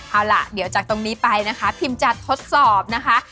เอาล่ะเดี๋ยวจากตรงนี้ไปนะคะพิมจะทดสอบนะคะ